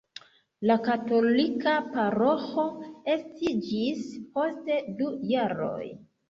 La katolika paroĥo estiĝis post du jaroj.